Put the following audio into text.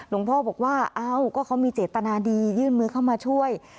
ลูกพ่อบอกว่าเขามีเจตนาดียื่นมือเข้ามาช่วย